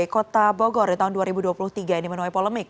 kota bogor di tahun dua ribu dua puluh tiga ini menuai polemik